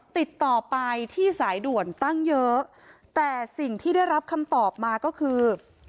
ติดต่อไปที่สายด่วนตั้งเยอะแต่สิ่งที่ได้รับคำตอบมาก็คือ